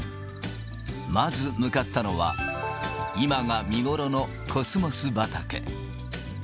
まず向かったのは、今が見頃のコスモス畑。